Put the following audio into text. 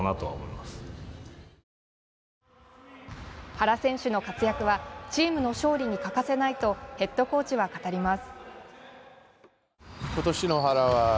原選手の活躍はチームの勝利に欠かせないとヘッドコーチは語ります。